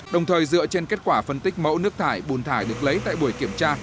đồng thời dựa trên kết quả phân tích mẫu nước thải bùn thải được lấy tại buổi kiểm tra